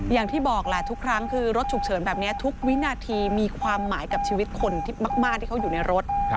อย่างที่บอกแหละทุกครั้งคือรถฉุกเฉินแบบนี้ทุกวินาทีมีความหมายกับชีวิตคนที่มากที่เขาอยู่ในรถ